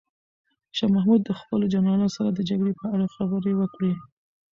شاه محمود د خپلو جنرالانو سره د جګړې په اړه خبرې وکړې.